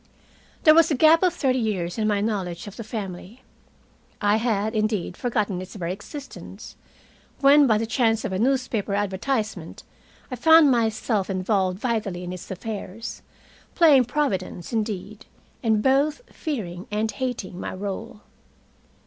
There was a gap of thirty years in my knowledge of the family. I had, indeed, forgotten its very existence, when by the chance of a newspaper advertisement I found myself involved vitally in its affairs, playing providence, indeed, and both fearing and hating my role.